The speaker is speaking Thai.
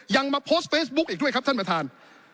มาโพสต์เฟซบุ๊คอีกด้วยครับท่านประธาน